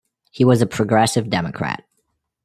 He was a progressive Democrat.